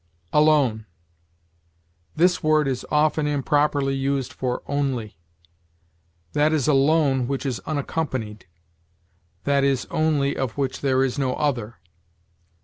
ALONE. This word is often improperly used for only. That is alone which is unaccompanied; that is only of which there is no other.